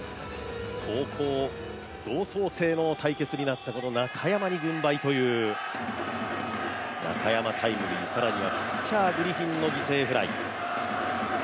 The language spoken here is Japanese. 高校同窓生の対決となった中山に軍配という、中山タイムリーさらにはピッチャーグリフィンの犠牲フライ。